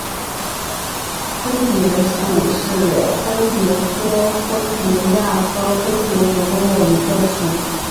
灰蝶属是灰蝶科灰蝶亚科灰蝶族中的一个属。